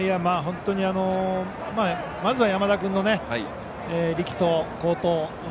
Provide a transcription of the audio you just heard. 本当に、まずは山田君の力投、好投